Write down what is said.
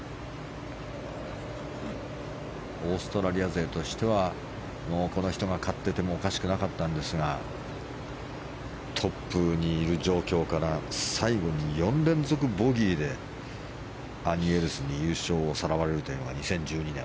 オーストラリア勢としてはこの人が勝っててもおかしくなかったんですがトップにいる状況から最後に４連続ボギーでアーニー・エルスに敗れたのが２０１２年。